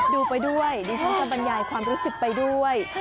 ดูไปด้วยดิฉันจะบรรยายความรู้สึกไปด้วย